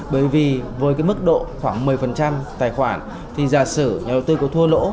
bởi vì với cái mức độ khoảng một mươi tài khoản thì giả sử nhà đầu tư có thua lỗ